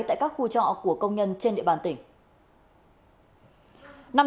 tại các khu trọ của công nhân trên địa bàn tỉnh